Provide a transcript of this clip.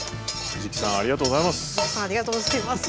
藤木さんありがとうございます。